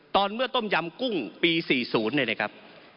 เมื่อต้มยำกุ้งปี๔๐เนี่ยนะครับ